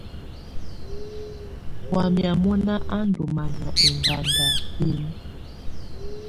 Wamɛ̀á mɔna á ndù manyà ɛŋganda binǝ.